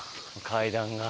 階段が。